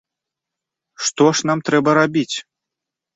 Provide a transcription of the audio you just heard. Што ж нам трэба рабіць?